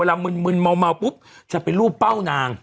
เวลามึนเมาปุ๊บจะเป็นรูปเป้านาง